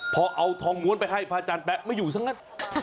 พอเอาทองม้วนไปให้พระอาจารย์แป๊ะไม่อยู่ซะงั้น